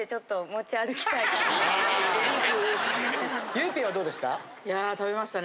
ゆいＰはどうでした？